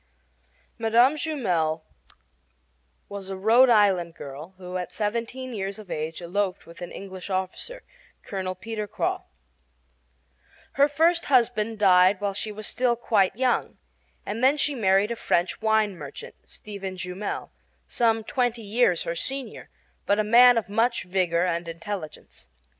Mme. Jumel was a Rhode Island girl who at seventeen years of age eloped with an English officer, Colonel Peter Croix. Her first husband died while she was still quite young, and she then married a French wine merchant, Stephen Jumel, some twenty years her senior, but a man of much vigor and intelligence.